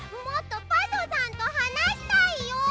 もっとパソさんとはなしたいよ！